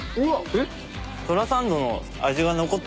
うわっ！